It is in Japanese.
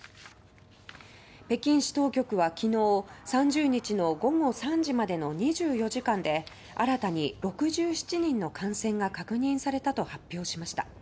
北京市当局は昨日、３０日の午後３時までの２４時間で新たに６７人の感染が確認されたと発表しました。